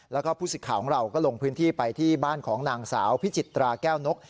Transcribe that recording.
แล้วก็ผู้สิทธิ์ข่าวของเราก็ลงพื้นที่ไปที่บ้านของนางสาวพิจิตราแก้วนก